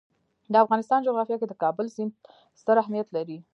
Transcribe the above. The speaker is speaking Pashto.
د افغانستان جغرافیه کې د کابل سیند ستر اهمیت لري.